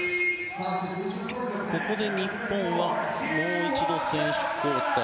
ここで日本はもう一度、選手交代。